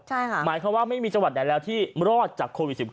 หมายความว่าไม่มีจังหวัดไหนแล้วที่รอดจากโควิด๑๙